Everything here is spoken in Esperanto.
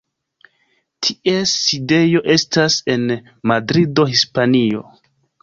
Ties sidejo estas en Madrido, Hispanio.